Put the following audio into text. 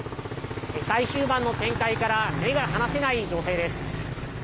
最終盤の展開から目が離せない情勢です。